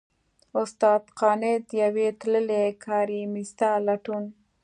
استاد قانت؛ د يوې تللې کارېسما لټون!